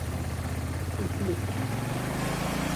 I qui